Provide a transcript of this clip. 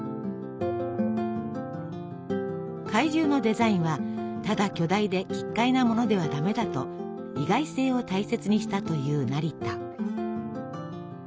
怪獣のデザインはただ巨大で奇っ怪なものではダメだと意外性を大切にしたという成田。